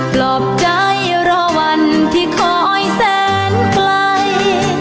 ปลอบใจรอวันที่คอยแสนไกล